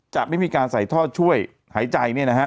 จะไม่มีการใส่ท่อช่วยหายใจ